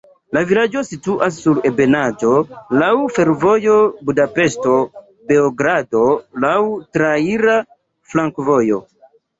La vilaĝo situas sur ebenaĵo, laŭ fervojo Budapeŝto–Beogrado, laŭ traira flankovojo.